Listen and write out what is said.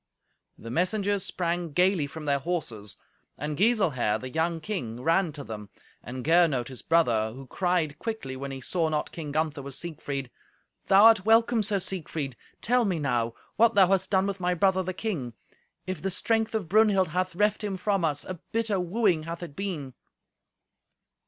The messengers sprang gaily from their horses, and Giselher, the young king, ran to them, and Gernot, his brother, who cried quickly, when he saw not King Gunther with Siegfried, "Thou art welcome, Sir Siegfried. Tell me, now, what thou hast done with my brother the king. If the strength of Brunhild hath reft him from us, a bitter wooing hath it been."